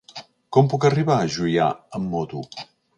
Com puc arribar a Juià amb moto?